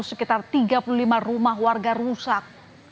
sekitar tiga puluh lima rumah warga rusak